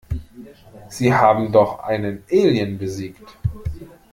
Sie haben doch einen Alien besiegt.